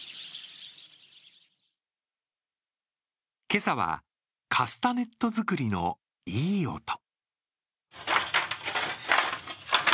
今朝はカスタネット作りのいい音。